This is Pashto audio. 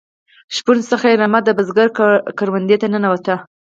شپون څخه یې رمه د بزگر کروندې ته ننوته.